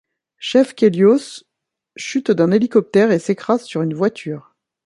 Chev Chelios chute d'un hélicoptère et s'écrase sur une voiture.